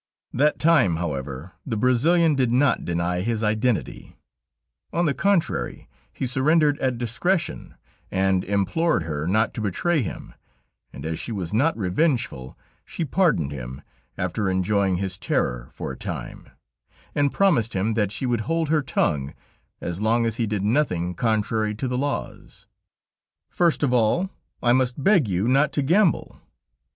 That time, however, the Brazilian did not deny his identity; on the contrary, he surrendered at discretion, and implored her not to betray him, and as she was not revengeful, she pardoned him, after enjoying his terror for a time, and promised him that she would hold her tongue, as long as he did nothing contrary to the laws. "First of all, I must beg you not to gamble."